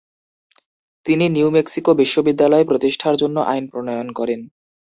তিনি New Mexico বিশ্ববিদ্যালয় প্রতিষ্ঠার জন্য আইন প্রণয়ন করেন।